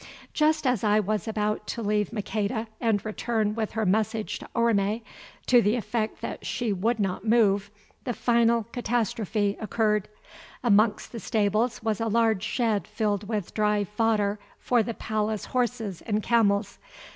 Just as I was about to leave Maqueda and return with her message to Orme, to the effect that she would not move, the final catastrophe occurred. Amongst the stables was a large shed filled with dry fodder for the palace horses and camels.